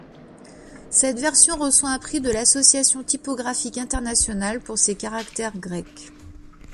Cette version reçoit un prix de l’Association typographique internationale pour ses caractères grecs.